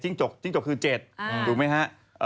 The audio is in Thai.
จิ้งจกคือ๗ถูกมั้ยฮะ